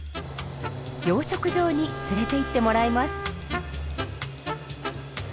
養殖場に連れていってもらいます。